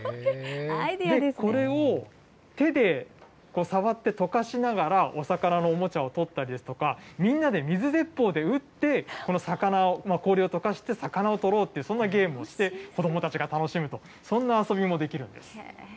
これを手で触ってとかしながらお魚のおもちゃを取ったりですとか、みんなで水鉄砲で撃って、この魚を、氷をとかして魚を取ろうっていう、そんなゲームをして、子どもたちが楽しむと、そんな遊びもできるんです。